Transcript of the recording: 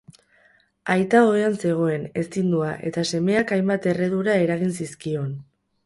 Aita ohean zegoen, ezindua, eta semeak hainbat erredura eragin zizkion.